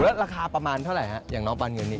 แล้วราคาประมาณเท่าไหร่ฮะอย่างน้องปานเงินนี่